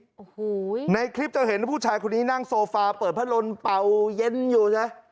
โอ้โหในคลิปจะเห็นผู้ชายคนนี้นั่งโซฟาเปิดพัดลมเป่าเย็นอยู่เลย